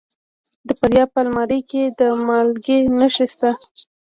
د فاریاب په المار کې د مالګې نښې شته.